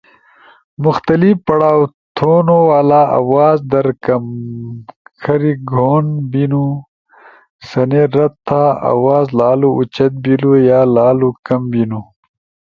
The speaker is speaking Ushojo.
مختلف پڑھاؤ تھونُو والا آواز در کم کھری گہون بیِنُو۔ سنے رد تھا آواز لالو اُوچت بیلو یا لالا کم بینُو۔